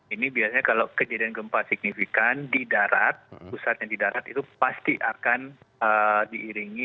ini biasanya kalau kejadian gempa signifikan di darat pusatnya di darat itu pasti akan diiringi